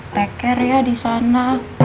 take care ya disana